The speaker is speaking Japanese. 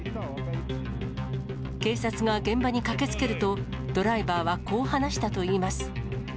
警察が現場に駆けつけると、ドライバーはこう話したといいます。